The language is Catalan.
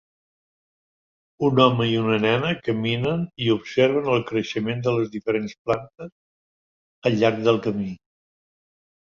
Un home i una nena caminen i observen el creixement de les diferents plantes al llarg del camí.